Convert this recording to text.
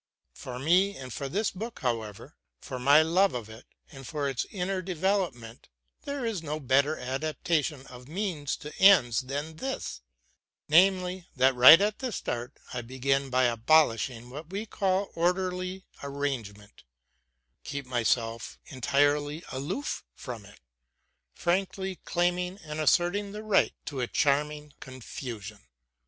For me and for this book, however, for my love of it and for its inner development, there is no better adaptation of means to ends than this, namely, that right at the start I begin by abolishing what we call orderly arrangement, keep myself entirely aloof from it, frankly claiming and asserting the right to a charming confusion.